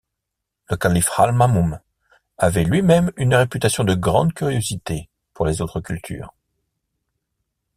Le calife Al-Mamoun avait lui-même une réputation de grande curiosité pour les autres cultures.